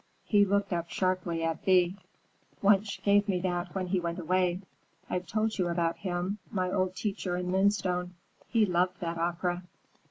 _" He looked up sharply at Thea. "Wunsch gave me that when he went away. I've told you about him, my old teacher in Moonstone. He loved that opera."